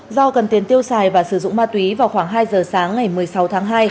do cần tiền tiêu xài và sử dụng ma túy vào khoảng hai giờ sáng ngày một mươi sáu tháng hai